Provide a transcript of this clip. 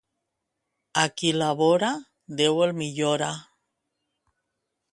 A qui labora, Déu el millora.